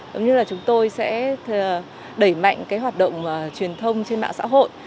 giống như là chúng tôi sẽ đẩy mạnh cái hoạt động truyền thông trên mạng xã hội